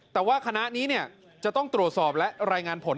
แต่ว่าคณะนี้จะต้องตรวจสอบและรายงานผล